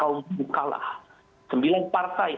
kaum bukalah sembilan partai